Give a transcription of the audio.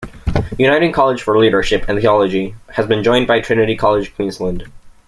Uniting College for Leadership and Theology has been joined by Trinity College Queensland.